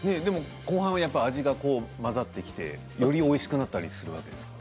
後半はやっぱ味が混ざってきてよりおいしくなったりするわけですか。